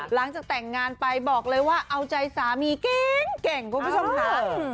หลังจากแต่งงานไปบอกเลยว่าเอาใจสามีเก่งคุณผู้ชมค่ะ